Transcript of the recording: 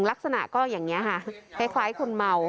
ลักษณะก็อย่างนี้ค่ะคล้ายคนเมา